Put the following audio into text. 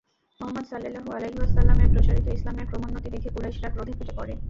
মুহাম্মাদ সাল্লাল্লাহু আলাইহি ওয়াসাল্লাম-এর প্রচারিত ইসলামের ক্রমোন্নতি দেখে কুরাইশরা ক্রোধে ফেটে পড়ে।